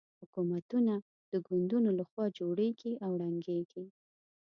حکومتونه د ګوندونو له خوا جوړېږي او ړنګېږي.